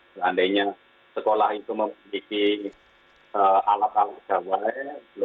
seandainya sekolah itu memiliki alat alat gawai